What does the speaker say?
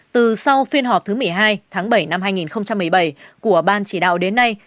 từ sau phiên họp thứ một mươi hai tháng bảy năm hai nghìn một mươi bảy của ban chỉ đạo đến nay